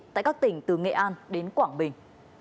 tại các tỉnh từ nghệ an đến quảng bình